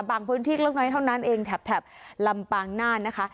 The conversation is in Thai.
บางพื้นที่เรื่องไรเท่านั้นเองแถบแถบลำปางน่านนะคะ